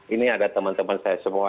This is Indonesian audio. ini ada teman teman saya semua